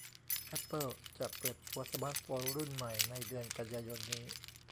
แอปเปิลจะเปิดตัวสมาร์ตโฟนรุ่นใหม่ในเดือนกันยายนนี้